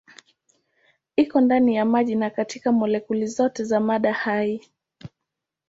Iko ndani ya maji na katika molekuli zote za mada hai.